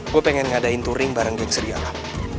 gue pengen ngadain touring bareng geng serialah